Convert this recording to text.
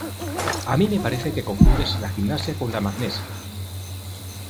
A mí me parece que confundes la gimnasia con la magnesia